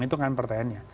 itu kan pertanyaannya